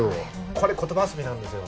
これ言葉遊びなんですよ。